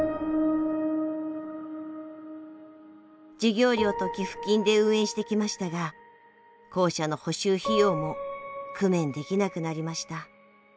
授業料と寄付金で運営してきましたが校舎の補修費用も工面できなくなりました。